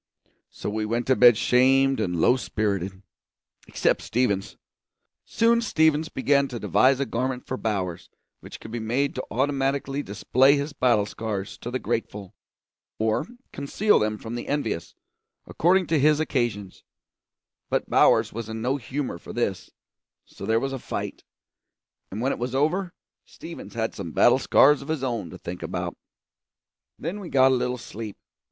So we went to bed shamed and low spirited; except Stevens. Soon Stevens began to devise a garment for Bowers which could be made to automatically display his battle scars to the grateful, or conceal them from the envious, according to his occasions; but Bowers was in no humour for this, so there was a fight, and when it was over Stevens had some battle scars of his own to think about. Then we got a little sleep.